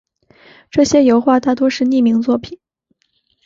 这些油画大多是匿名作品。